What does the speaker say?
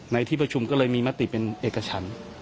ในที่ประชุมก็เลยมีมติเป็นเอกชั้น